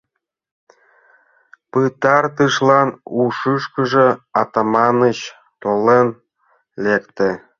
Пытартышлан ушышкыжо Атаманыч толын лекте.